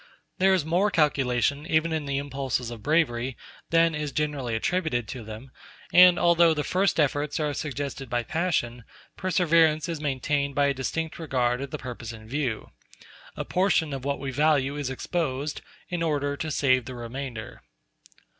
There is more calculation, even in the impulses of bravery, than is generally attributed to them; and although the first efforts are suggested by passion, perseverance is maintained by a distinct regard of the purpose in view. A portion of what we value is exposed, in order to save the remainder.